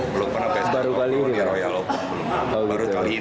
belum pernah best cross royal lomba